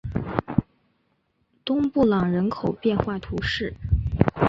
东布朗人口变化图示